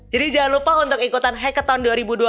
jadi jangan lupa untuk ikutan hackathon dua ribu dua puluh empat